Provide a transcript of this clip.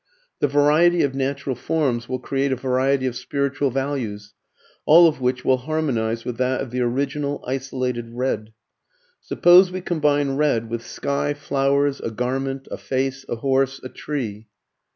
The variety of natural forms will create a variety of spiritual values, all of which will harmonize with that of the original isolated red. Suppose we combine red with sky, flowers, a garment, a face, a horse, a tree.